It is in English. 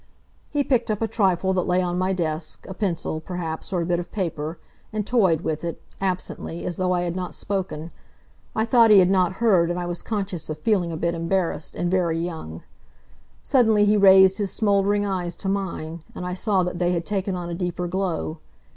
He picked up a trifle that lay on my desk a pencil, perhaps, or a bit of paper and toyed with it, absently, as though I had not spoken. I thought he had not heard, and I was conscious of feeling a bit embarrassed, and very young. Suddenly he raised his smoldering eyes to mine, and I saw that they had taken on a deeper glow.